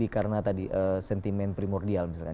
karena tadi sentimen primordial misalnya